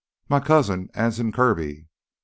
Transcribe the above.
"... m' cousin, Anson Kirby ..."